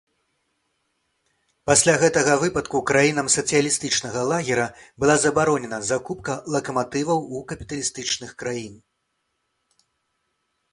Пасля гэтага выпадку краінам сацыялістычнага лагера была забароненая закупка лакаматываў у капіталістычных краін.